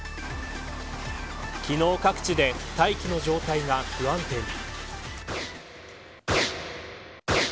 昨日各地で大気の状態が不安定に。